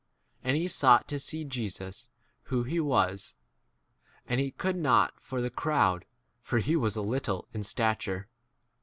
And he sought to see Jesus who he was : and he could not for the crowd, for he was little in stature.